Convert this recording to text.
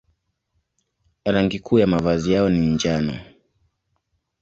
Rangi kuu ya mavazi yao ni njano.